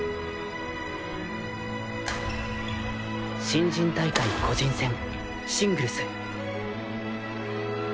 新人大会個人戦シングルス